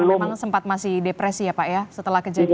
karena memang sempat masih depresi ya pak ya setelah kejadian ini